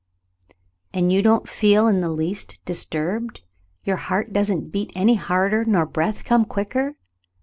" And you don't feel in the least disturbed .^ Your heart doesn't beat any harder nor your breath come quicker?